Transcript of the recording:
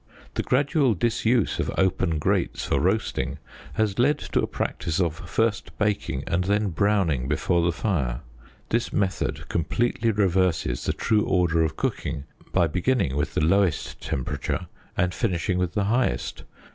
The gradual disuse of open grates for roasting has led to a practice of first baking and then browning before the fire. This method completely reverses the true order of cooking by beginning with the lowest temperature and finishing with the highest.